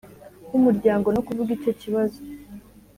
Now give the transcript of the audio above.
W umuryango no kuvuga icyo kibazo